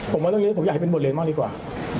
ผมว่าเรื่องนี้ผมอยากให้เป็นบทเรียนมากดีกว่า